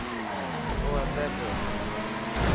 او هسي پيو.